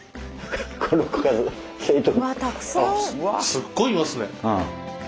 すごいいますね。